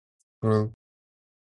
Mhm.